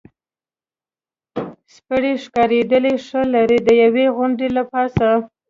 سپېرې ښکارېدلې، ښه لرې، د یوې غونډۍ له پاسه.